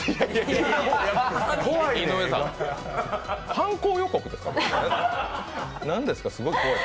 犯行予告ですか？